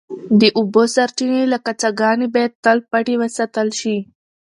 د اوبو سرچینې لکه څاګانې باید تل پټې وساتل شي.